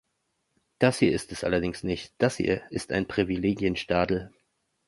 Das hier ist es allerdings nicht – das hier ist ein Privilegienstadl.